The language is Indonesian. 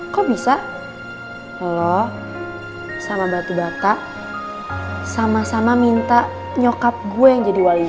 kok bisa loh sama batu bata sama sama minta nyokap gue yang jadi wali